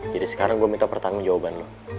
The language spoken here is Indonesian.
jadi sekarang gue minta pertanggung jawaban lo